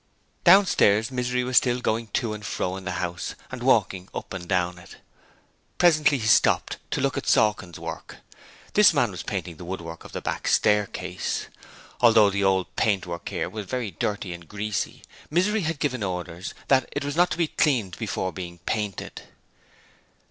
Downstairs, Misery was still going to and fro in the house and walking up and down in it. Presently he stopped to look at Sawkins' work. This man was painting the woodwork of the back staircase. Although the old paintwork here was very dirty and greasy, Misery had given orders that it was not to be cleaned before being painted.